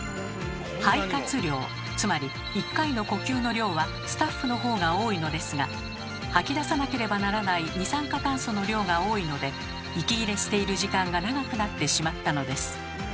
肺活量つまり１回の呼吸の量はスタッフのほうが多いのですが吐き出さなければならない二酸化炭素の量が多いので息切れしている時間が長くなってしまったのです。